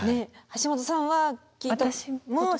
橋本さんは聞いたこと。